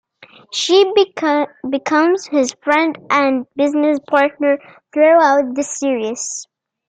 She becomes his friend and business partner throughout the series.